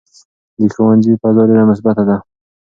د ښوونځي فضا ډېره مثبته ده.